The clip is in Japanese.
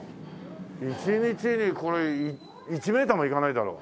１日にこれ１メーターもいかないだろう。